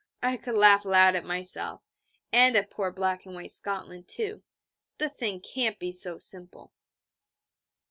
I could laugh loud at myself, and at poor Black and White Scotland, too. The thing can't be so simple.